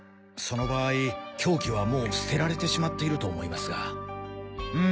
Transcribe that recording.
その場合凶器はもう捨てられてしまっていると思いますが。